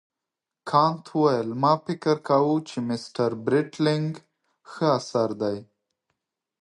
کانت وویل ما فکر کاوه چې مسټر برېټلنیګ ښه اثر دی.